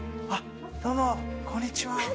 どうもこんにちは。